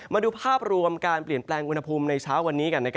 มาดูภาพรวมการเปลี่ยนแปลงอุณหภูมิในเช้าวันนี้กัน